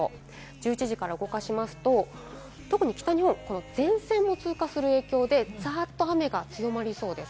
１１時から動かしますと、特に北日本、前線も通過する影響で、ざっと雨が強まりそうです。